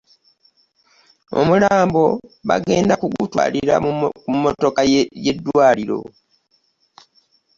Omulambo bagenda kugutwalira mu mmotoka y'eddwaliro.